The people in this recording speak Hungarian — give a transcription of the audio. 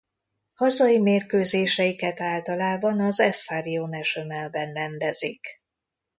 Hazai mérkőzéseiket általában az Estadio Nacionalban rendezik.